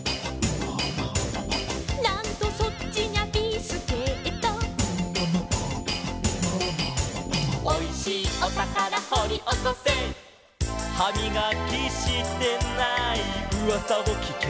「なんとそっちにゃビスケット」「おいしいおたからほりおこせ」「はみがきしてないうわさをきけば」